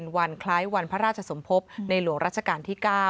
วันคล้ายวันพระราชสมภพในหลวงรัชกาลที่๙